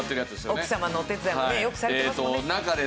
奥様のお手伝いもねよくされてますもんね。